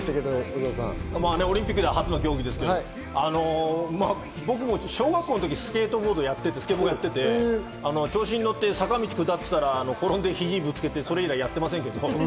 オリンピックで初の競技ですけど、僕も小学校の時、スケボーやってて調子に乗って坂道を下ってたら転んで、肘をぶつけて、それ以降やってませんけど。